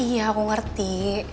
iya aku ngerti